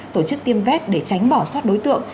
tổ chức tiêm vét để tránh bỏ sót đối tượng